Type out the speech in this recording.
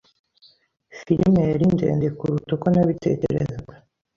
Filime yari ndende kuruta uko nabitekerezaga.